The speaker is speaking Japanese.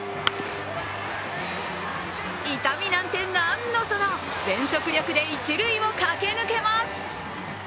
痛みなんてなんのその全速力で一塁を駆け抜けます。